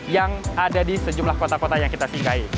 yang ada di sejumlah kota kota yang kita singgahi